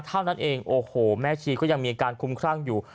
เท่านั้นเองโอ้โหแม่ชีก็ยังมีอาการคุ้มครั่งอยู่